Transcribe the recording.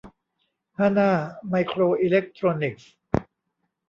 ฮานา ไมโครอิเล็คโทรนิคส